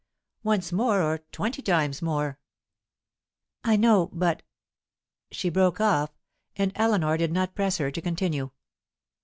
"Once more, or twenty times more." "I know; but " She broke off, and Eleanor did not press her to continue.